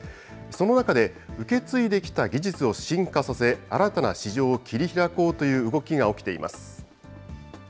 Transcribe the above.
その中で受け継いできた技術を進化させ、新たな市場を切り開こうという動きが起きています。